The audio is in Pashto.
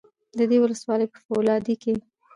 د دې ولسوالۍ په فولادي کې